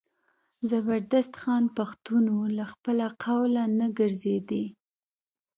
زبردست خان پښتون و له خپله قوله نه ګرځېدی.